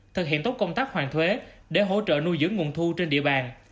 thực hiện tốt công tác hoàn thuế để hỗ trợ nuôi dưỡng nguồn thu trên địa bàn